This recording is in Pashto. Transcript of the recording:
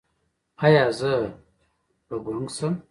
ایا زه به ګونګ شم؟